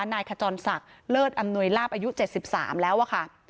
นายขจรศักดิ์เลิศอำนวยลาบอายุ๗๓แล้วอะค่ะ